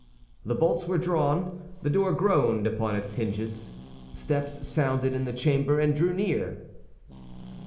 The bolts were drawn; the door groaned upon its hinges. Steps sounded in the chamber, and drew near.